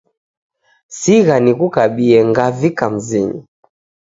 Sigha nikukabie ngavika mzinyi